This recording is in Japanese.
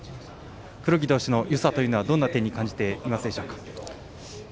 黒木投手のよさというのはどんな点に感じているでしょうか。